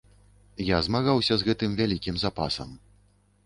Я змагаўся з гэтым з вялікім запасам.